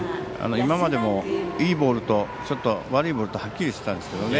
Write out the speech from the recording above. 今までも、いいボールと悪いボールとはっきりしてたんですけど。